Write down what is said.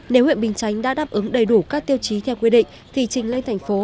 nếu huyện bình chánh đã đáp ứng đầy đủ các tiêu chí theo quy định thì trình lên thành phố